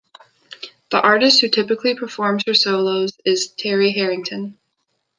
The artist who typically performs her solos is Terry Harrington.